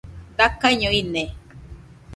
Dakaiño ine